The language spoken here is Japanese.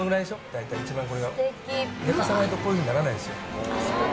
だいたいすてき寝かさないとこういうふうにならないですよ